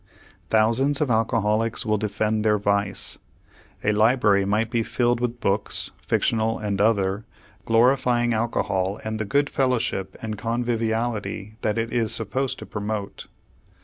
Thousands of alcoholics will defend their vice. A library might be filled with books, fictional and other, glorifying alcohol and the good fellowship and conviviality that it is supposed to promote.